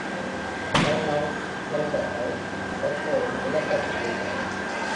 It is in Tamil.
ஃபால்அவுட் ஷெல்டர்கள் எப்போதும் நிலத்தடியில் இல்லை.